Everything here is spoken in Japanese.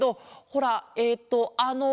ほらえっとあの。